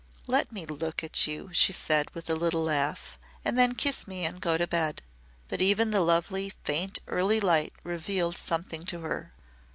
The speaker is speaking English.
"Let me look at you," she said with a little laugh. "And then kiss me and go to bed." But even the lovely, faint early light revealed something to her.